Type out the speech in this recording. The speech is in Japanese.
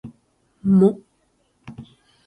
も